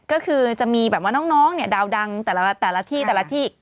ก็คือจะมีแบบว่าน้องเนี่ยดาวดังแต่ละที่